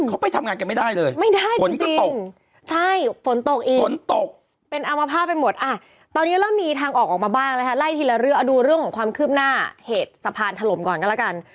เขาไปทำงานกันไม่ได้เลยไม่ได้ฝนก็ตกใช่ฝนตกอีกฝนตกเป็นอามภาพไปหมดอ่ะตอนนี้เริ่มมีทางออกมาบ้างนะคะไล่ทีละเรื่องเอาดูเรื่องของความคืบหน้าเหตุสะพานถล่มก่อนกันแล้วกัน